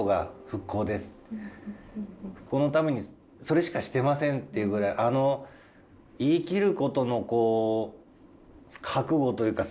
「復興のためにそれしかしてません」っていうぐらいあの言い切ることのこう覚悟というか